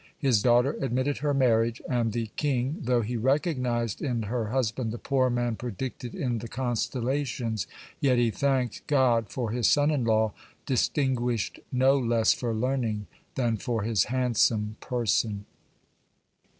His daughter admitted her marriage, and the king, though he recognized in her husband the poor man predicted in the constellations, yet he thanked God for his son in law, distinguished no less for learning than for his handsome person.